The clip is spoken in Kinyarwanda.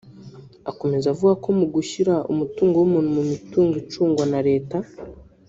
Akomeza avuga ko mu gushyira umutungo w’umuntu mu mitungo icungwa na Leta